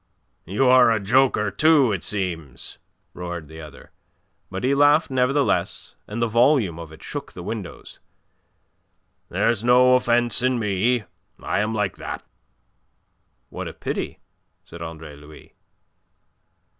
"You're a joker too, it seems," roared the other, but he laughed nevertheless, and the volume of it shook the windows. "There's no offence in me. I am like that." "What a pity," said Andre Louis.